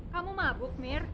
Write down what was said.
kamu mabuk mir